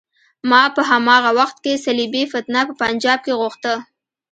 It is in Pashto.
ما په هماغه وخت کې صلیبي فتنه په پنجاب کې غوښته.